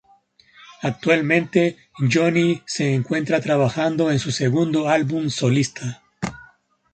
Actualmente, Johnny se encuentra trabajando en su segundo álbum solista.